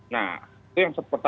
nah itu yang sepertinya